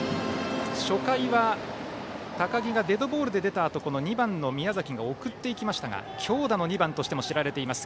初回は高木がデッドボールで出たあと２番の宮崎が送っていきましたが強打の２番としても知られています。